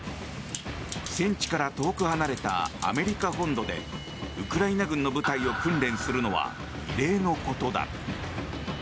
戦地から遠く離れたアメリカ本土でウクライナ軍の部隊を訓練するのは異例のことだ。